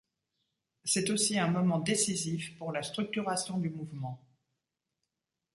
C’est aussi un moment décisif pour la structuration du mouvement.